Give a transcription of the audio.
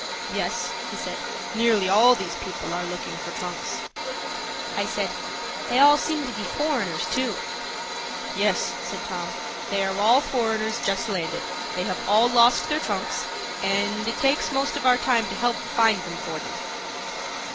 "Yes," he said, "nearly all these people are looking for trunks." I said, "They all seem to be foreigners, too." "Yes," said Tom, "they are all foreigners just landed. They have all lost their trunks, and it takes most of our time to help find them for them."